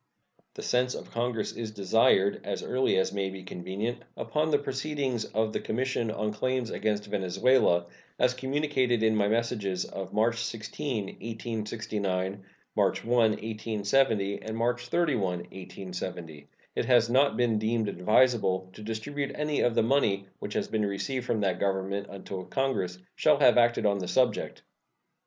The sense of Congress is desired, as early as may be convenient, upon the proceedings of the commission on claims against Venezuela, as communicated in my messages of March 16, 1869, March 1, 1870, and March 31, 1870. It has not been deemed advisable to distribute any of the money which has been received from that Government until Congress shall have acted on the subject.